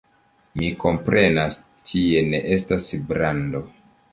Mi komprenas, tie ne estas brando.